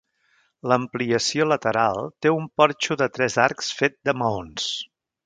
L'ampliació lateral té un porxo de tres arcs fet de maons.